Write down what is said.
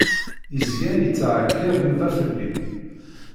Izga yettɛeggiḍ Yuba fell-i.